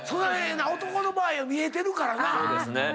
男の場合は見えてるからな。